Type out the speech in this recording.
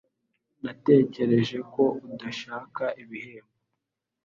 Natekereje ko udashaka ibihembo